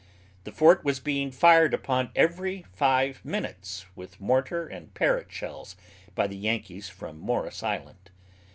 The fort was being fired upon every five minutes with mortar and parrot shells by the Yankees from Morris Island.